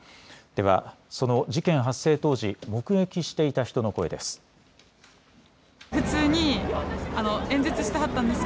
では、その事件発生当時目撃していた人の声です。